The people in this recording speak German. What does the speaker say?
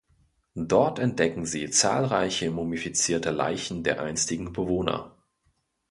Dort entdecken sie zahlreiche mumifizierte Leichen der einstigen Bewohner.